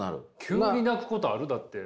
急に泣くことある？だって。